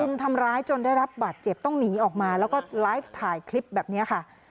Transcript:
ทำร้ายจนได้รับบาดเจ็บต้องหนีออกมาแล้วก็ไลฟ์ถ่ายคลิปแบบนี้ค่ะ